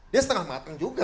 dia setengah mateng juga